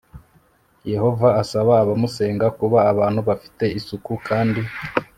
yehova asaba abamusenga kuba abantu bafite isuku kandi